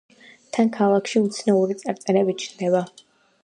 თან ქალაქში უცნაური წარწერები ჩნდება.